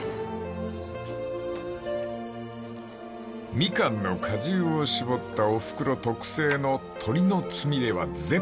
［みかんの果汁を搾ったおふくろ特製の鶏のつみれは絶品！］